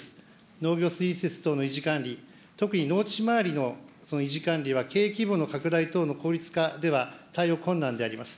農業等の維持管理、特に農地周りの維持管理は経営規模の拡大等の効率化では対応困難であります。